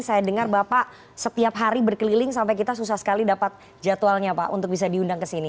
saya dengar bapak setiap hari berkeliling sampai kita susah sekali dapat jadwalnya pak untuk bisa diundang ke sini